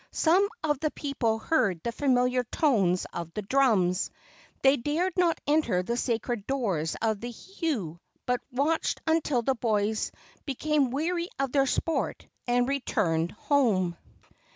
Some of the people heard the familiar tones of the drums. They dared not enter the sacred doors of the heiau, but watched until the boys became weary of their sport and returned home.